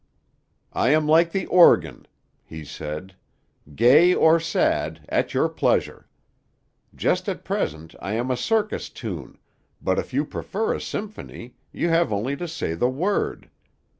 "I am like the organ," he said, "gay or sad, at your pleasure. Just at present I am a circus tune, but if you prefer a symphony, you have only to say the word.